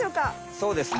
そうですね